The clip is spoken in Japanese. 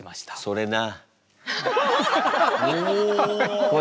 それな。